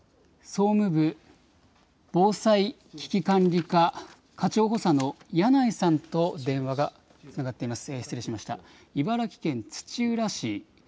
総務部、防災危機管理課課長補佐の矢内さんと電話がつながっています。